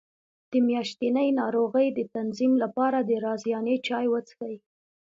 د میاشتنۍ ناروغۍ د تنظیم لپاره د رازیانې چای وڅښئ